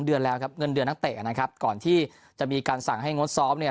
เดือนแล้วครับเงินเดือนนักเตะนะครับก่อนที่จะมีการสั่งให้งดซ้อมเนี่ย